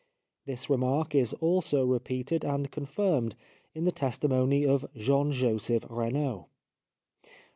This remark is also repeated and confirmed by the testimony of Jean Joseph Renaud.